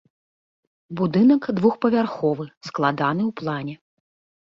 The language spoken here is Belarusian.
Будынак двухпавярховы складаны ў плане.